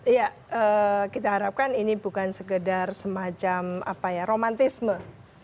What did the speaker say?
iya kita harapkan ini bukan sekedar semacam apa ya romantisme akan pancasila ya